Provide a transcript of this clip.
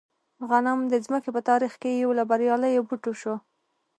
غنم د ځمکې په تاریخ کې یو له بریالیو بوټو شو.